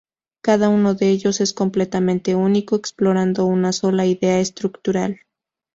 Cada uno de ellos es completamente único, explorando una sola idea estructural.